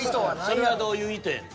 それはどういう意図やねん。